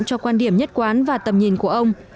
cho quan điểm nhất quán và tầm nhìn của ông